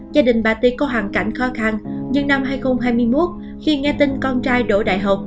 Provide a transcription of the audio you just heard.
gia đình bà ti có hoàn cảnh khó khăn nhưng năm hai nghìn hai mươi một khi nghe tin con trai đỗ đại học